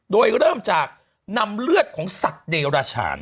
โดยเริ่มจากนำเลือดของสัตว์เดราชาญ